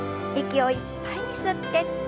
息をいっぱいに吸って。